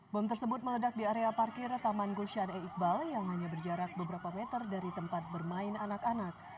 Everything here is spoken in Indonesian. bom tersebut meledak di area parkir taman gus syade e iqbal yang hanya berjarak beberapa meter dari tempat bermain anak anak